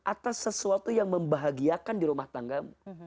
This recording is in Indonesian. atas sesuatu yang membahagiakan dirumah tanggamu